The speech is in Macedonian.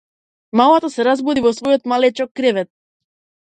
Малата се разбуди во својот малечок кревет.